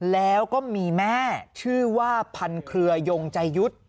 แล้วก็มีแม่ชื่อว่าพันเครือยงใจยุทธ์